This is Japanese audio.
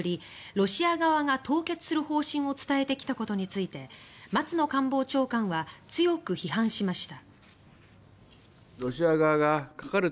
ロシア側が凍結する方針を伝えてきたことについて松野官房長官は強く批判しました。